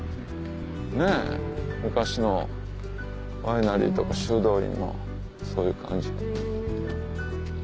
ねぇ昔のワイナリーとか修道院のそういう感じ。